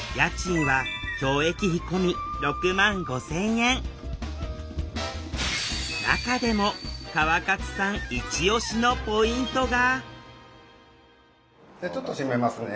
家賃は中でも川勝さんイチオシのポイントがちょっと閉めますね。